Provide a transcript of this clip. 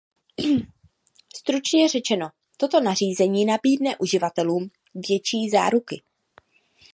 Stručně řečeno, toto nařízení nabídne uživatelům větší záruky.